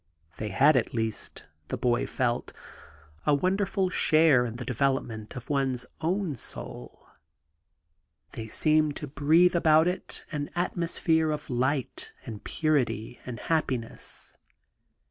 They had at least, the boy felt, a wonderful sh^re in the development of one's own soul: they 59 THE GARDEN GOD seemed to breathe about it an atmosphere of light and purity and happiness.